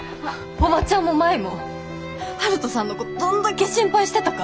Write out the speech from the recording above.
おばちゃんも舞も悠人さんのことどんだけ心配してたか。